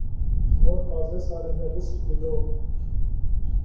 More causes are in the list below.